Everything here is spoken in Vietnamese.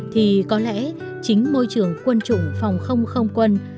thì có lẽ chính môi trường quân chủng phòng không không quân